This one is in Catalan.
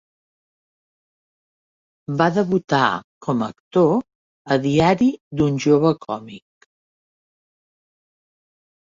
Va debutar com a actor a "Diari d'un jove còmic".